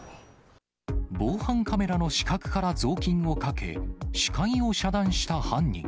防犯カメラの死角から雑巾をかけ、視界を遮断した犯人。